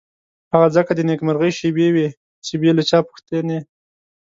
هغه ځکه د نېکمرغۍ شېبې وې چې بې له چا پوښتنې.